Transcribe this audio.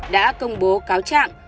đã công bố cáo trạng